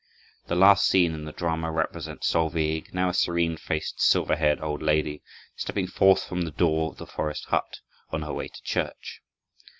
The last scene in the drama represents Solveig, now a serene faced, silver haired old lady, stepping forth from the door of the forest hut, on her way to church.